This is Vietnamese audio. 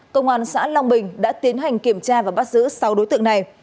công an xã long bình đã tiến hành kiểm tra và bắt giữ sáu đối tượng này